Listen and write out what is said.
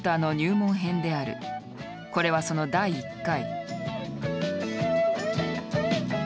これはその第１回。